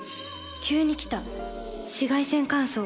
急に来た紫外線乾燥。